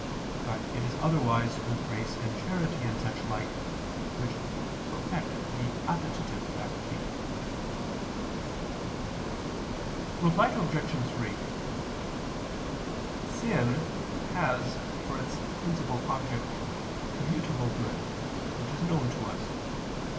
But it is otherwise with grace and charity and such like, which perfect the appetitive faculty. Reply Obj. 3: Sin has for its principal object commutable good, which is known to us.